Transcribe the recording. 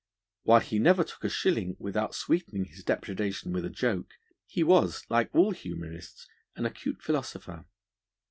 While he never took a shilling without sweetening his depredation with a joke, he was, like all humorists, an acute philosopher.